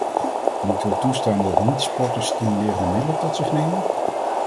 Moeten we toestaan dat niet-sporters stimulerende middelen tot zich nemen?